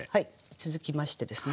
続きましてですね